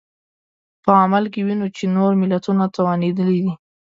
په عمل کې وینو چې نور ملتونه توانېدلي دي.